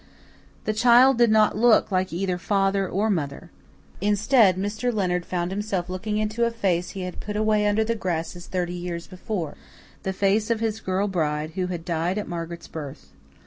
The child did not look like either father or mother. Instead, Mr. Leonard found himself looking into a face which he had put away under the grasses thirty years before the face of his girl bride, who had died at Margaret's birth.